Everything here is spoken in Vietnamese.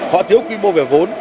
họ thiếu quy mô về vốn